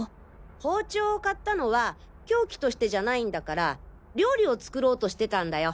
包丁を買ったのは凶器としてじゃないんだから料理を作ろうとしてたんだよ。